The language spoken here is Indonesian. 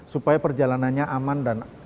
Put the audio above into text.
supaya perjalanannya aman dan